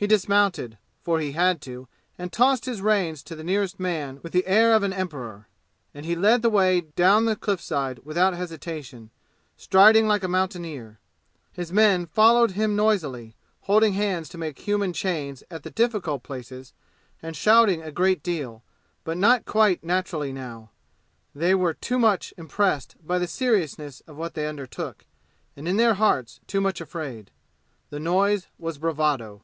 He dismounted, for he had to, and tossed his reins to the nearest man with the air of an emperor. And he led the way dawn the cliffside without hesitation, striding like a mountaineer. His men followed him noisily, holding hands to make human chains at the difficult places and shouting a great deal; but not quite naturally now. They were too impressed by the seriousness of what they undertook, and in their hearts too much afraid. The noise was bravado.